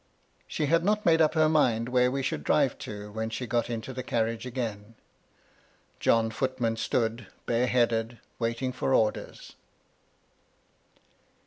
She had not made up her mind where we should MY LADY LUDLOW. 55 drive to when she got into the carriage again. John Footman stood, bare headed, waiting for orders.